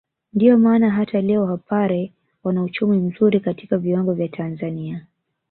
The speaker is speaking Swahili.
Ndio maana hata leo wapare wana uchumi mzuri katika viwango vya Tanzania